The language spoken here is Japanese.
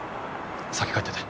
先帰ってて。